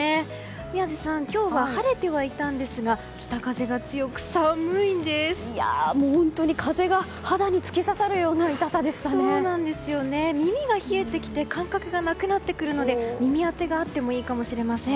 宮司さん、今日は晴れてはいたんですが北風が強く本当に風が肌に耳が冷えてきて感覚がなくなってくるので耳当てがあってもいいかもしれません。